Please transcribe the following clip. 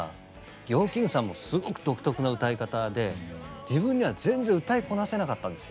ＹＯ−ＫＩＮＧさんもすごく独特な歌い方で自分には全然歌いこなせなかったんですよ。